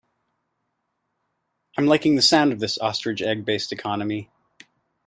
I'm liking the sound of this ostrich egg based economy.